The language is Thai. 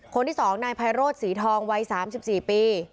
คนที่๒นายไพโรธศรีทองวัย๓๔ปี